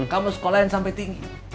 kamu sekolahin sampai tinggi